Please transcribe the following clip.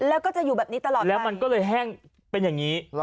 แล้วก็จะอยู่แบบนี้ตลอดแล้วมันก็เลยแห้งเป็นอย่างนี้